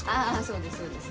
そうですそうです。